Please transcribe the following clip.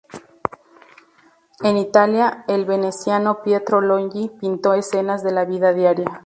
En Italia, el veneciano Pietro Longhi pintó escenas de la vida diaria.